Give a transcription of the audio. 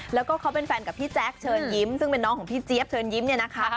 แล้วก็เขาเป็นแฟนกับพี่แจ๊คเชิญยิ้มซึ่งเป็นน้องของพี่เจี๊ยบเชิญยิ้มเนี่ยนะคะ